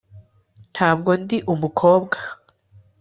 ntabwo ndi umukobwa